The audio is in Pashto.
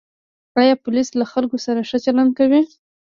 آیا پولیس له خلکو سره ښه چلند کوي؟